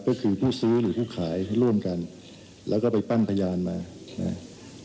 ก็คือผู้ซื้อหรือผู้ขายร่วมกันแล้วก็ไปตั้งพยานมานะครับ